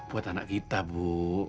buat anak kita bu